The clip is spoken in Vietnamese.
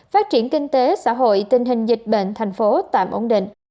phát triển kinh tế xã hội tình hình dịch bệnh thành phố tạm ổn định